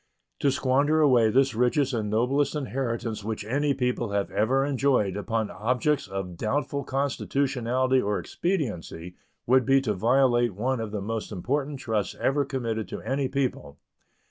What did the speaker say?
To squander away this richest and noblest inheritance which any people have ever enjoyed upon objects of doubtful constitutionality or expediency would be to violate one of the most important trusts ever committed to any people.